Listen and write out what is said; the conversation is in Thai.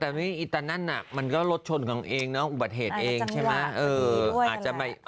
แต่ตอนนี้ตอนนั้นมันก็รถชนของเองนะอุบัติเหตุเองใช่ไหม